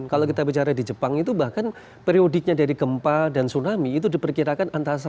kalau kita bicara di jepang itu bahkan periodiknya dari gempa dan tsunami itu diperkirakan antara